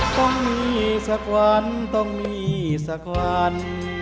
ต้องมีสักวันต้องมีสักวัน